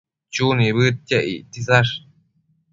Chu nibëdquiec ictisash